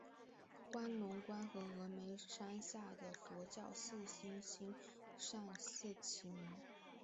兴隆观和峨嵋山下的佛教寺院兴善寺齐名。